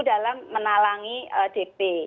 dalam menalangi dp